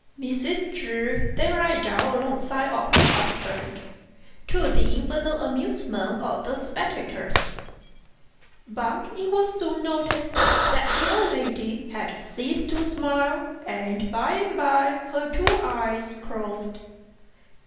Mrs. Chu then lay down alongside of her husband, to the infinite amusement of the spectators ; but it was soon noticed that the old lady had ceased to smile, and by and by her two eyes closed.